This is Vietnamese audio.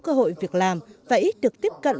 cơ hội việc làm và ít được tiếp cận